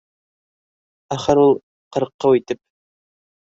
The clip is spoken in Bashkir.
Ахыр ул, ҡырҡыу итеп: